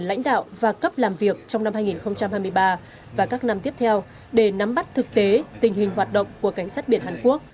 lãnh đạo và cấp làm việc trong năm hai nghìn hai mươi ba và các năm tiếp theo để nắm bắt thực tế tình hình hoạt động của cảnh sát biển hàn quốc